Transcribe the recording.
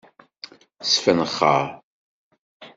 Sfenxeṛ.